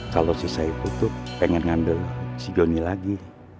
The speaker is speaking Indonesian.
kalo si saiful tuh pengen ngandel si jonny lagi